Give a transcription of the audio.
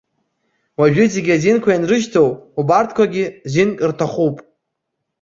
Уажәы, зегьы азинқәа ианрышьҭоу, убарҭқәагьы зинк рҭахуп.